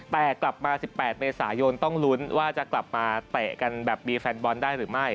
แต่กลับมา๑๘เมษายนต้องลุ้นว่าจะกลับมาเตะกันแบบมีแฟนบอลได้หรือไม่